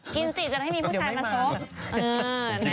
กินสิจะละให้มีผู้ชายมาโซ่